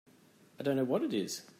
I don't know what it is.